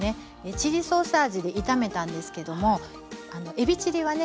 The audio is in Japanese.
チリソース味で炒めたんですけどもえびチリはね